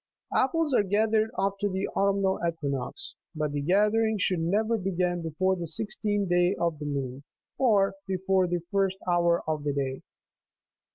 Ap ples are gathered after the autumnal equinox ; but the gather ing should never begin before the sixteenth day of the moon, or before the first hour of the day.